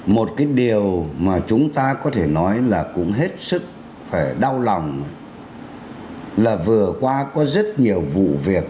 một cái điều mà chúng ta có thể nói là cũng hết sức phải đau lòng là vừa qua có rất nhiều vụ việc